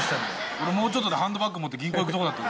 俺もうちょっとでハンドバッグ持って銀行行くとこだった。